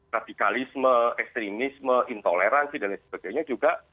radikalisme ekstremisme intoleransi dan lain sebagainya juga